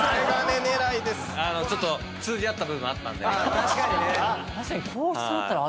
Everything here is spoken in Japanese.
ちょっと通じ合った部分あったんで。